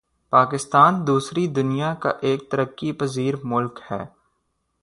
پاکستان دوسری دنیا کا ایک ترقی پزیر ملک ہے